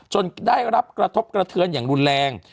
ได้รับกระทบกระเทือนอย่างรุนแรง